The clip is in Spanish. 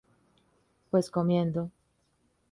Pues comiendo.